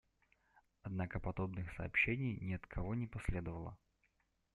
Однако подобных сообщений ни от кого не последовало.